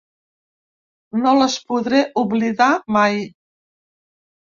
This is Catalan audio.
No les podré oblidar mai.